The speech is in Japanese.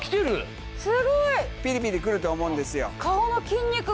ピリピリくると思うんですよ。